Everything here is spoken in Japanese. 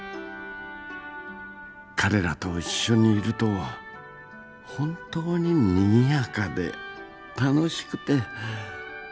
彼らと一緒にいると本当ににぎやかで楽しくて。